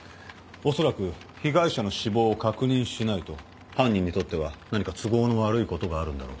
おそらく被害者の死亡を確認しないと犯人にとっては何か都合の悪いことがあるんだろう。